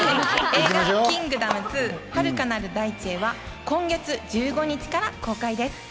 映画『キングダム２遥かなる大地へ』は今月１５日から公開です。